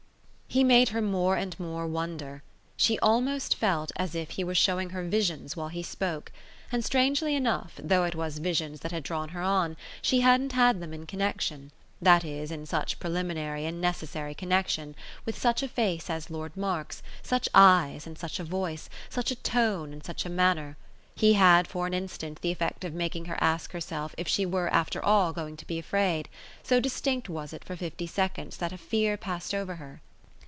He made her more and more wonder; she almost felt as if he were showing her visions while he spoke; and strangely enough, though it was visions that had drawn her on, she hadn't had them in connexion that is in such preliminary and necessary connexion with such a face as Lord Mark's, such eyes and such a voice, such a tone and such a manner. He had for an instant the effect of making her ask herself if she were after all going to be afraid; so distinct was it for fifty seconds that a fear passed over her.